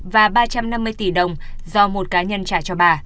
và ba trăm năm mươi tỷ đồng do một cá nhân trả cho bà